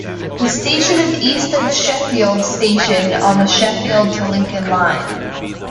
The station is east of Sheffield station on the Sheffield to Lincoln Line.